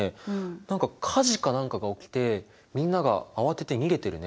何か火事か何かが起きてみんなが慌てて逃げてるね。